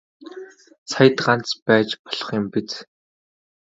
Саяд ганц байж болох юм биз.